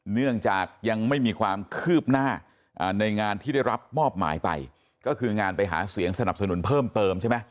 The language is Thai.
เนื่องจากยังไม่มีความคืบหน้าในงานที่ได้รับมอบหมายไปก็คืองานไปหาเสียงสนับสนุนเพิ่มเติมใช่ไหม